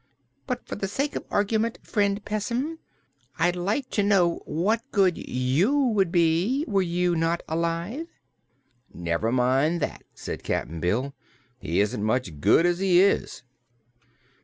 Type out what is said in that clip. But for the sake of argument, friend Pessim, I'd like to know what good you would be, were you not alive?" "Never mind that," said Cap'n Bill. "He isn't much good as he is."